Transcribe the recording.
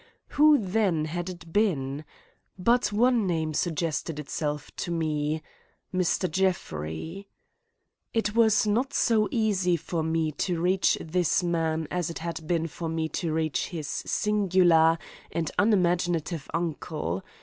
Who, then, had it been? But one name suggested itself to me,—Mr. Jeffrey. It was not so easy for me to reach this man as it had been for me to reach his singular and unimaginative uncle.